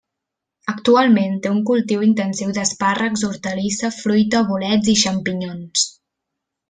Actualment té un cultiu intensiu d'espàrrecs, hortalissa, fruita, bolets i xampinyons.